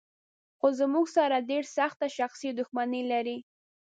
خو زموږ سره ډېره سخته شخصي دښمني لري.